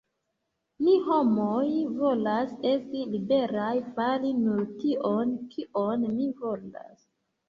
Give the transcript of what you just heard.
Ni homoj volas esti liberaj: fari nur tion, kion ni volas.